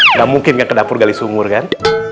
nggak mungkin nggak ke dapur gali sungur kan